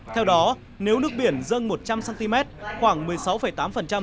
theo đó nếu nước biển dân một trăm linh cm khoảng một mươi sáu tám cm